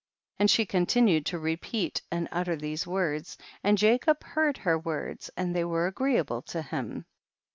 96. And she continued to repeat and utter these words, and Jacob heard her words and they were agree able to him.